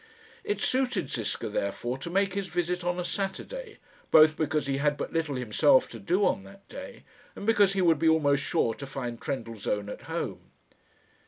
It suited Ziska, therefore, to make his visit on a Saturday, both because he had but little himself to do on that day, and because he would be almost sure to find Trendellsohn at home.